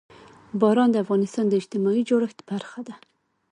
باران د افغانستان د اجتماعي جوړښت برخه ده.